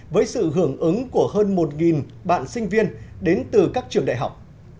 với sự hưởng ứng của hơn một bạn sinh viên đến từ các trường đại học